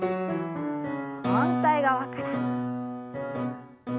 反対側から。